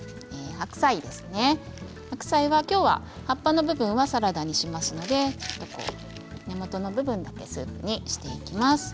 白菜はきょうは葉っぱの部分はサラダにしますので根元の部分だけスープにしていきます。